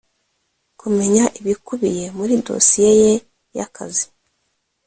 Kumenya ibikubiye muri dosiye ye y akazi